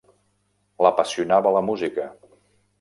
L'apassionava la música: